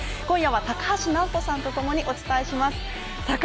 今夜は高橋尚子さんと共にお伝えします。